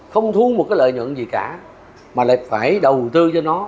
không thu một cái lợi nhuận gì cả mà lại phải đầu tư cho nó